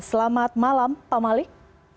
selamat malam pak malik